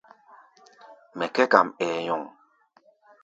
Mɛ kɛ̧́ kam, ɛɛ nyɔŋ.